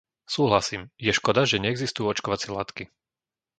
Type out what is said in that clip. Súhlasím, je škoda, že neexistujú očkovacie látky.